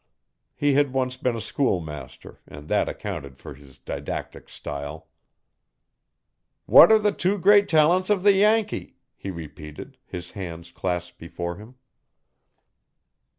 He had once been a schoolmaster and that accounted for his didactic style. 'What are the two great talents of the Yankee?' he repeated, his hands clasped before him.